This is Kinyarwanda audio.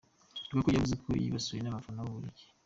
Lukaku yavuze ko yibasiriwe n’abafana b’Ububiligi.